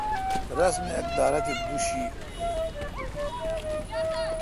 رس می اک دارہ تے دوُشی